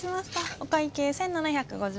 お会計１，７５０円です。